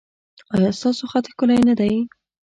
ایا ستاسو خط ښکلی نه دی؟